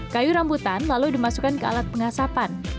kayu rambutan lalu dimasukkan ke alat pengasapan